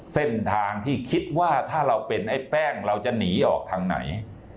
เส้นทางที่คิดว่าถ้าเราเป็นไอ้แป้งเราจะหนีออกทางไหน